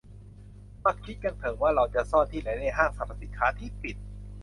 มาคิดกันเถอะว่าเราจะซ่อนที่ไหนในห้างสรรพสินค้าที่ปิด